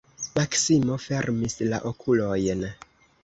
Maksimo fermis la okulojn.